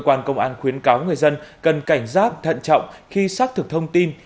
cơ quan công an khuyến cáo người dân cần cảnh giác thận trọng khi xác thực thông tin